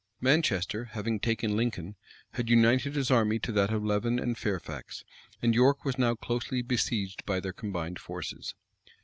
Manchester, having taken Lincoln, had united his army to that of Leven and Fairfax; and York was now closely besieged by their combined forces.